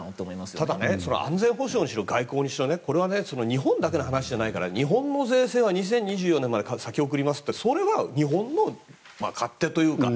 ただ安全保障にしろ外交にしろ日本だけの話じゃないから日本の税制は２０２４年度まで先送りますってそれは日本の勝手というか。